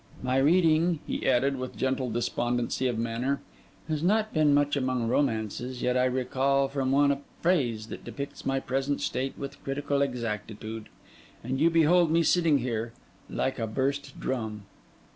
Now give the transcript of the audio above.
My reading,' he added, with a gentle despondency of manner, 'has not been much among romances; yet I recall from one a phrase that depicts my present state with critical exactitude; and you behold me sitting here "like a burst drum."